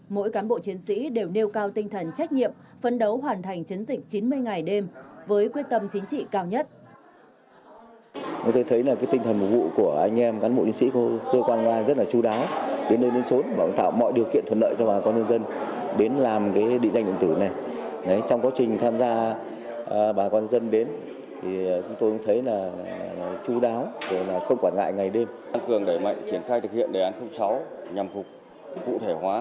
mỗi cán bộ chiến sĩ đều nêu cao tinh thần trách nhiệm phân đấu hoàn thành chấn dịch chín mươi ngày đêm với quyết tâm chính trị cao nhất